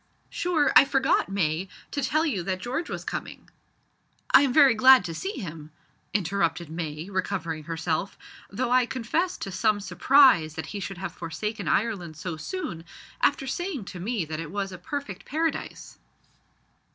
"Sure, I forgot, May, to tell you that George was coming " "I am very glad to see him," interrupted May, recovering herself, "though I confess to some surprise that he should have forsaken Ireland so soon, after saying to me that it was a perfect paradise."